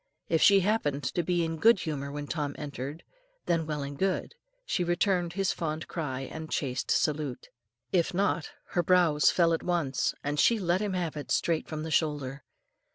If she happened to be in good humour when Tom entered, then well and good, she returned his fond cry and chaste salute. If not, her brows fell at once, and she let him have it straight from the shoulder.